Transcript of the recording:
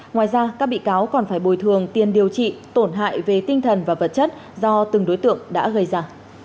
ngoài ra các bị cáo còn phải bồi thường tiền điều trị tổn hại về tinh thần và vật chất do từng đối tượng đã gây ra